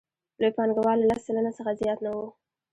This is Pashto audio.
لوی پانګوال له لس سلنه څخه زیات نه وو